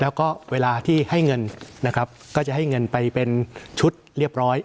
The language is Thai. แล้วก็เวลาที่ให้เงินนะครับก็จะให้เงินไปเป็นชุดเรียบร้อย